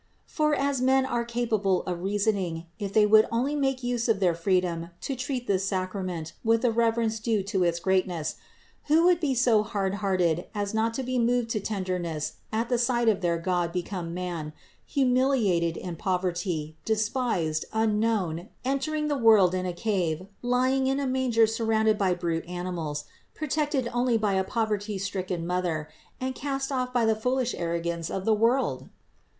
For as men are capable of reasoning, if they would only make use of their freedom to treat this sacrament with the reverence due to its greatness, who would be so hardened as not to be moved to tenderness at the sight of their God become man, humiliated in poverty, despised, unknown, enter ing the world in a cave, lying in a manger surrounded by brute animals, protected only by a poverty stricken Mother, and cast off by the foolish arrogance of the THE INCARNATION 409 world?